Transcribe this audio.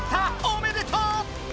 おめでとう！